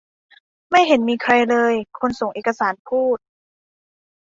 ไม่เห็นมีใครเลย คนส่งเอกสารพูด